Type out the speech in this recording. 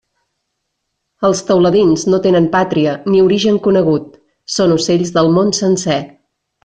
Els teuladins no tenen pàtria, ni origen conegut, són ocells del món sencer.